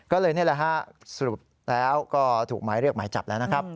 ก็เลยนี่แหละฮะสรุปแล้วก็ถูกหมายเรียกหมายจับแล้วนะครับ